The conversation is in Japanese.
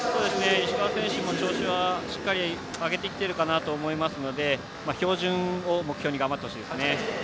石川選手も調子はしっかり上げてきてるかなと思いますので標準を目標に頑張ってほしいですね。